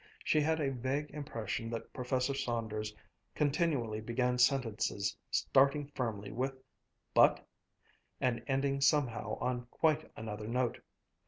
She had a vague impression that Professor Saunders continually began sentences starting firmly with "But" and ending somehow on quite another note.